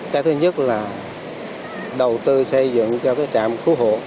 cái thứ nhất là đầu tư xây dựng cho cái trạm cứu hộ